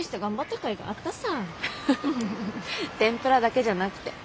てんぷらだけじゃなくて。